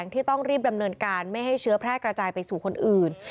ที่ต้องรีบดำเนินการไม่ให้เชื้อแพร่กระจายไปสู่คนอื่น